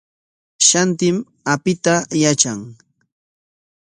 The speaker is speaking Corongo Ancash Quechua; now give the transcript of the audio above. Shantim apita yatran.